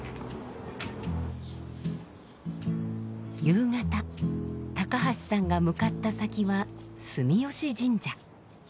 夕方高橋さんが向かった先は住吉神社。